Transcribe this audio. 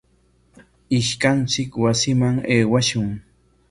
Ishkanchik wasiman aywashun.